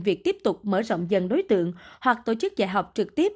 việc tiếp tục mở rộng dần đối tượng hoặc tổ chức dạy học trực tiếp